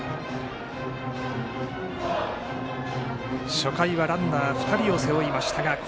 初回はランナー２人を背負いました。